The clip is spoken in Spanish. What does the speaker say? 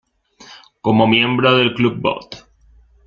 Como miembro del Club Bot.